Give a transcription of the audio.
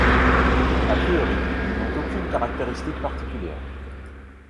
À priori, ils n'ont aucune caractéristique particulière.